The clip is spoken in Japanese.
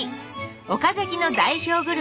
岡崎の代表グルメ